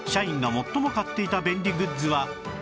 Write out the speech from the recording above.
社員が最も買っていた便利グッズは何？